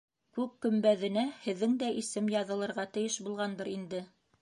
Күк көмбәҙенә һеҙҙең дә исем яҙылырға тейеш булғандыр инде.